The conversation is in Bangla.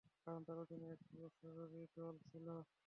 কারণ তার অধীনে একটি অশ্বারোহী দল ছিল।